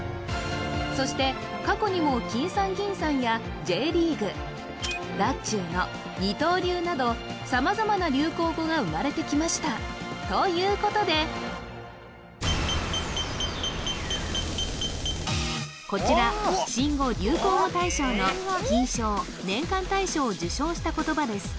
そして過去にも「きんさん・ぎんさん」や「Ｊリーグ」「だっちゅーの」「二刀流」など様々な流行語が生まれてきましたということでこちら新語・流行語大賞の金賞・年間大賞を受賞した言葉です